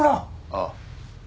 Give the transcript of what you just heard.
ああ。